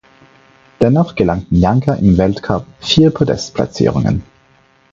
Dennoch gelangen Janka im Weltcup vier Podestplatzierungen.